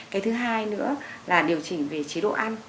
cái thứ hai nữa là điều chỉnh về chế độ ăn